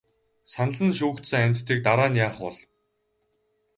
Санал нь шүүгдсэн амьтдыг дараа нь яах бол?